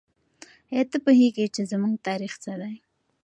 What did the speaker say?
آیا ته پوهېږې چې زموږ تاریخ څه دی؟